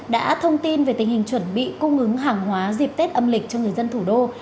đã thông tin về tình hình chuẩn bị cung ứng hàng hóa dịp tết âm lịch cho người dân thủ đô